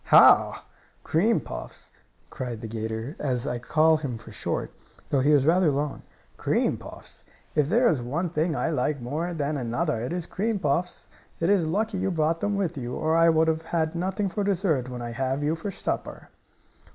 "Ha! Cream puffs!" cried the 'gator, as I call him for short, though he was rather long. "Cream puffs! If there is one thing I like more than another it is cream puffs! It is lucky you brought them with you, or I would have nothing for dessert when I have you for supper."